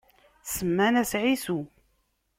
Semman-as Ɛisu.